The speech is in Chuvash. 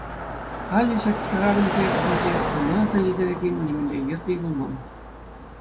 Халӗ ҫак хӗрарӑм кӗлеткинче ӑна аса илтерекен нимӗнле йӗр те юлман.